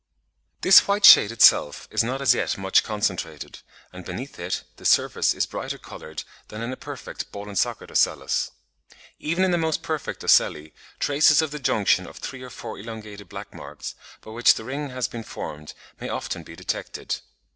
This white shade itself is not as yet much concentrated; and beneath it the surface is brighter coloured than in a perfect ball and socket ocellus. Even in the most perfect ocelli traces of the junction of three or four elongated black marks, by which the ring has been formed, may often be detected.